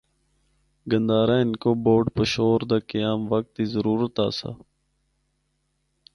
گندھارا ہندکو بورڈ پشور دا قیام وقت دی ضرورت آسا۔